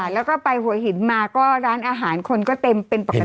แล้วก็ไปหัวหินมาก็ร้านอาหารคนก็เต็มเป็นปกติ